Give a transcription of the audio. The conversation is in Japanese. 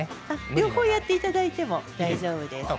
両方やっていただいてもいいですよ。